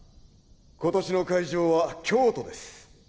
今年の会場は京都です。